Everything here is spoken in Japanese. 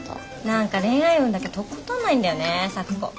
何か恋愛運だけとことんないんだよね咲子。